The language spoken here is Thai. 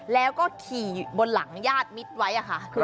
แล้วก็ขี่บนหลังญาติมิตรไว้ค่ะ